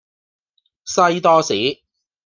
西多士